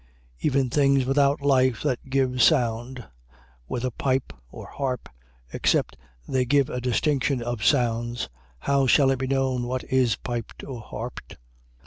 14:7. Even things without life that give sound, whether pipe or harp, except they give a distinction of sounds, how shall it be known what is piped or harped?